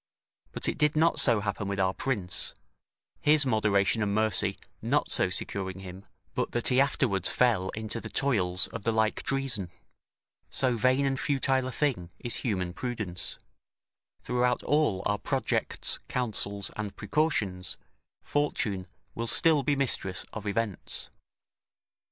But it did not so happen with our prince, his moderation and mercy not so securing him, but that he afterwards fell into the toils of the like treason, [The Duc de Guise was assassinated in 1563 by Poltrot.] so vain and futile a thing is human prudence; throughout all our projects, counsels and precautions, Fortune will still be mistress of events.